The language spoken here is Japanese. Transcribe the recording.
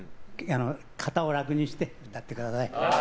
肩を楽にして歌ってください。